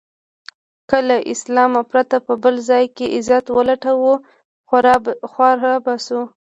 که له اسلام پرته په بل څه کې عزت و لټوو خوار به شو.